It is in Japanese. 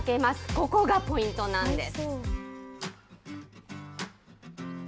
ここがポイントなんです。